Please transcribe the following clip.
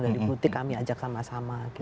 dan di butik kami ajak sama sama gitu